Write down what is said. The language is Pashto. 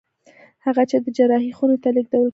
هغه چې د جراحي خونې ته لېږدول کېده